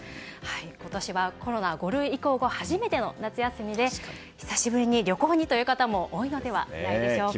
今年はコロナ５類移行後初めての夏休みで久しぶりに旅行にという方も多いのではないでしょうか。